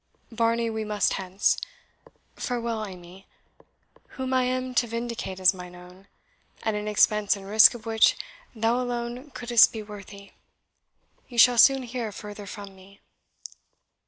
Varney, we must hence. Farewell, Amy, whom I am to vindicate as mine own, at an expense and risk of which thou alone couldst be worthy. You shall soon hear further from me."